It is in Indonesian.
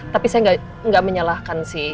tapi saya nggak menyalahkan sih